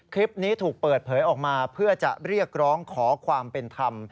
คลิปนี้ถูกเปิดเผยออกมาเพื่อจะเรียกร้องขอความเป็นธรรม